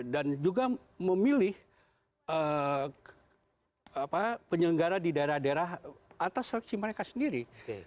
dan juga memilih penyelenggara di daerah daerah atas seleksi mereka sendiri